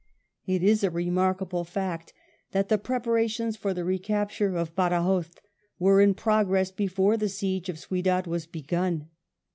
It is a remarkable fact that the preparations for the recapture of Badajos were in progress before the siege of Ciudad was begun.